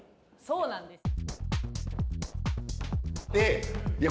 そうなんです。